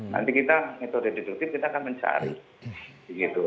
nanti kita metode deduktif kita akan mencari begitu